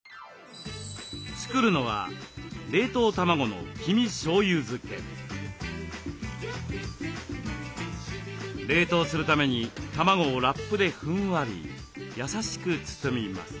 作るのは冷凍するために卵をラップでふんわり優しく包みます。